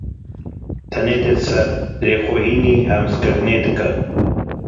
Tenêtî sar e, lê xwe hînî himêzkirinê dike.